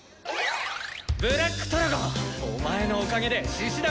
ブラックトラゴンお前のおかげで獅子だ